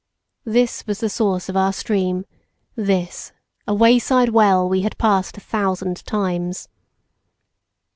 This was the source of our stream this, a wayside well we had passed a thousand times!